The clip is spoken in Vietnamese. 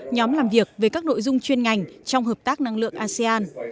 nhóm làm việc về các nội dung chuyên ngành trong hợp tác năng lượng asean